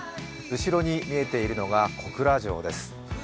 後ろに見えているのが小倉城です。